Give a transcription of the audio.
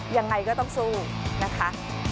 ยังไงก็ต้องสู้นะคะ